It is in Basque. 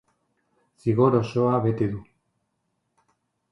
Zigor osoa bete du.